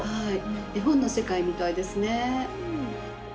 絵本の世界みたいですね。